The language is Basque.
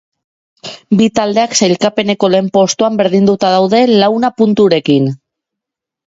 Bi taldeak sailkapeneko lehen postuan berdinduta daude launa punturekin.